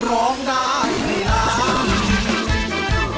ร้องได้ให้ล้าน